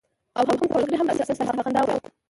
او هم کوټه ملګری هم راسره نشته. هغه په خندا وویل.